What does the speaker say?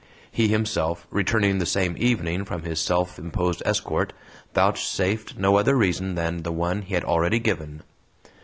He himself, returning the same evening from his self imposed escort, vouchsafed no other reason than the one he had already given.